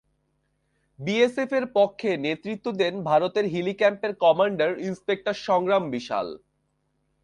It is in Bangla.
বিএসএফের পক্ষে নেতৃত্ব দেন ভারতের হিলি ক্যাম্পের কমান্ডার ইন্সপেক্টর সংগ্রাম বিশাল।